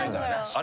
あ！